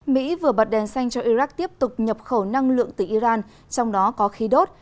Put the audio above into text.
mỹ vừa bật đèn xanh cho iraq tiếp tục nhập khẩu năng lượng từ iran trong đó có khí đốt